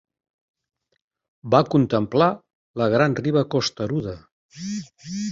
Va contemplar la gran riba costeruda.